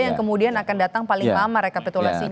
yang kemudian akan datang paling lama rekapitulasi